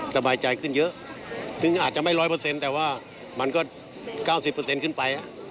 สบายใจขึ้นเยอะถึงอาจจะไม่๑๐๐แต่ว่ามันก็๙๐ขึ้นไป